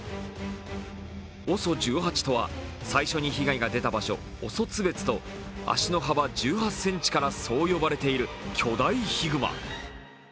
ＯＳＯ１８とは、最初に被害が出た場所、オソツベツと足の幅１８ｃｍからそう呼ばれている巨大ヒグマ。